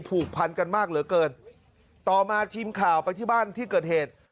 ผูกพันกันมากเหลือเกินต่อมาทีมข่าวไปที่บ้านที่เกิดเหตุ